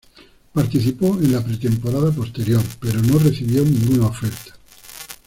Participó en la pretemporada posterior, pero no recibió ninguna oferta.